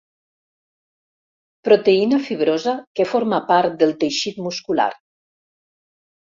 Proteïna fibrosa que forma part del teixit muscular.